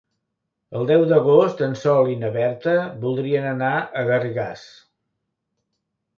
El deu d'agost en Sol i na Berta voldrien anar a Garrigàs.